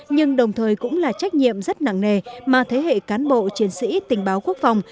nhưng đồng thời cũng là trách nhiệm rất nặng nề mà thế hệ cán bộ chiến sĩ tình báo quốc phòng